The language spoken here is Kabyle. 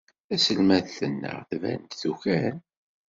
Taselmadt-nneɣ tban-d tukan.